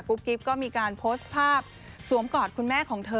กิ๊บก็มีการโพสต์ภาพสวมกอดคุณแม่ของเธอ